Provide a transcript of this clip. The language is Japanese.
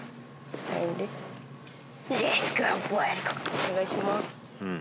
お願いします。